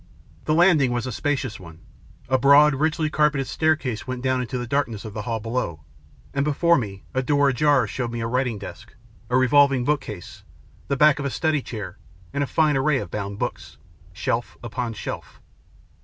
The landing was a spacious one, a broad, richly carpeted staircase went down into the darkness of the hall below, and before me a door ajar showed me a writing desk, a revolving bookcase, the back of a study chair, and a fine array of bound books, shelf upon shelf.